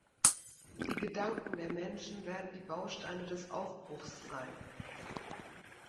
Die Gedanken der Menschen werden die Bausteine des Aufbruchs sein.